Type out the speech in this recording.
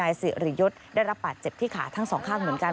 นายสื่อหรือยศได้รับปากเจ็บที่ขาทั้งสองข้างเหมือนกัน